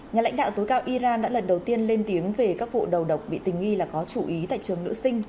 nhà lãnh đạo tối cao iran đã lần đầu tiên lên tiếng về các vụ đầu độc bị tình nghi là có chủ ý tại trường nữ sinh